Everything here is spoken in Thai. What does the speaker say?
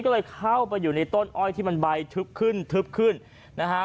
ก็เลยเข้าไปอยู่ในต้นอ้อยที่มันใบทึบขึ้นทึบขึ้นนะฮะ